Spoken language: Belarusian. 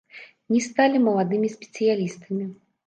Не сталі маладымі спецыялістамі.